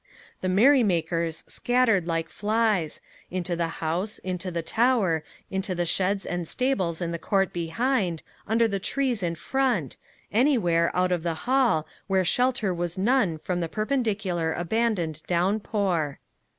The merrymakers scattered like flies into the house, into the tower, into the sheds and stables in the court behind, under the trees in front anywhere out of the hall, where shelter was none from the perpendicular, abandoned down pour.